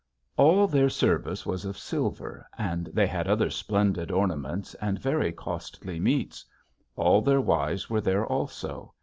"All their service was of silver, and they had other splendid ornaments and very costly meats. All their wives were there also.